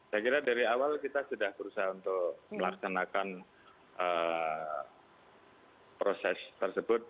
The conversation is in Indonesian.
saya kira dari awal kita sudah berusaha untuk melaksanakan proses tersebut